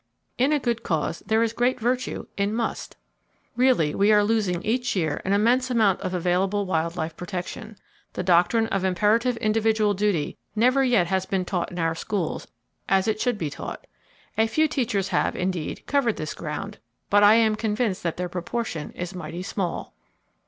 In a good cause, there is great virtue in "Must." Really, we are losing each year an immense amount of available wild life protection. The doctrine of imperative individual duty never yet has been taught in our schools as it should be taught. A few teachers have, indeed, covered this ground; but I am convinced that their proportion is mighty small.